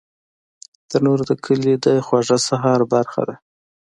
تنور د کلي د خواږه سهار برخه ده